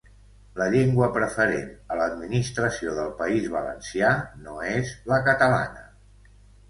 La llengua preferent a l'administració del País Valencià no és la catalana